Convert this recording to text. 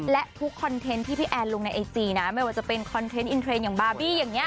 และทุกคอนเทนต์ที่พี่แอนลงในไอจีนะไม่ว่าจะเป็นคอนเทนต์อินเทรนด์อย่างบาร์บี้อย่างนี้